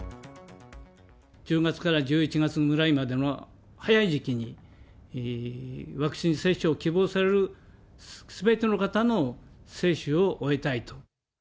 １０月から１１月ぐらいまでの早い時期に、ワクチン接種を希望されるすべての方の接種を終えたいと。